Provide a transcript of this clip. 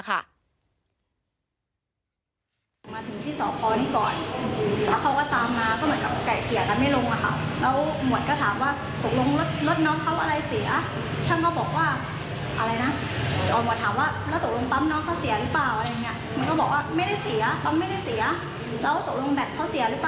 มาถึงที่สพนี่ก่อนเขาก็ตามมาก็เหมือนกับไก่เขียกันไม่ลงอ่ะค่ะ